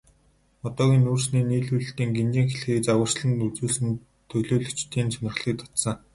Одоогийн нүүрсний нийлүүлэлтийн гинжин хэлхээг загварчлан үзүүлсэн нь төлөөлөгчдийн сонирхлыг татсан.